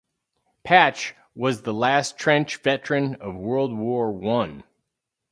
Patch was the last trench veteran of World War One.